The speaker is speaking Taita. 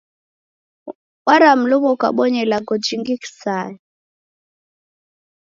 Waramluma ukabonya ilagho jingi kisaya.